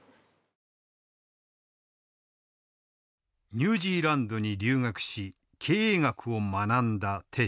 ニュージーランドに留学し経営学を学んだ。